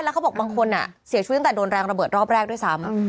แล้วเขาบอกบางคนเสียชีวิตตั้งแต่โดนแรงระเบิดรอบแรกด้วยซ้ำ